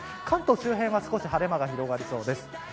関東周辺は少し晴れ間が広がりそうです。